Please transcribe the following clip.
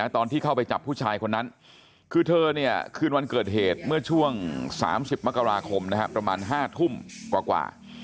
ตอนที่เข้าไปจับผู้ชายคนนั้นคือเธอเนี่ยคืนวันเกิดเหตุเมื่อช่วง๓๐มกราคมประมาณ๕ทุ่มกว่า